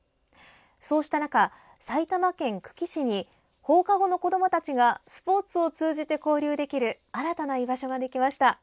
そうした中、埼玉県久喜市に放課後の子どもたちがスポーツを通じて交流できる新たな居場所ができました。